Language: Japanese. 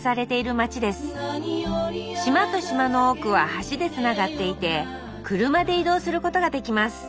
島と島の奥は橋でつながっていて車で移動することができます。